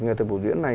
ngày thực vụ diễn này